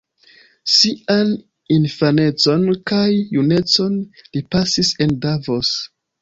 Sian infanecon kaj junecon li pasis en Davos.